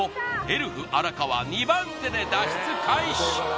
エルフ荒川２番手で脱出開始